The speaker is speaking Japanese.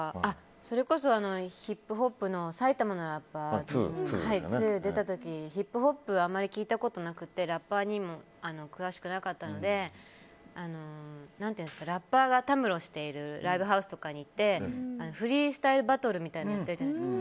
それこそ、ヒップホップの「サイタマノラッパー」の２に出た時にヒップホップはあまり聴いたことがなくてラッパーにもあまり詳しくなかったのでラッパーがたむろしているライブハウスとかに行ってフリースタイルバトルみたいなのやってるじゃないですか。